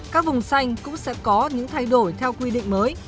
các vùng xanh cũng sẽ có những thay đổi theo quy định mới